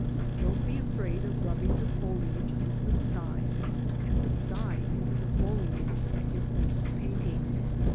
Don't be afraid of rubbing the foliage into the sky, and the sky into the foliage at your first painting.